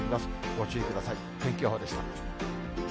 ご注意ください。